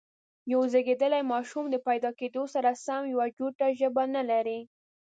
یو زېږيدلی ماشوم د پیدا کېدو سره سم یوه جوته ژبه نه لري.